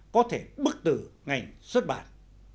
có thể bức tử ngành xuất bản